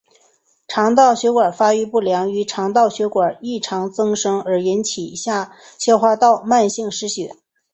肠道血管发育不良是肠道血管异常增生而引起下消化道慢性失血。